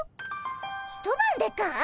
一晩でかい？